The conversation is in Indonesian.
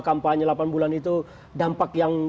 kampanye delapan bulan itu dampak yang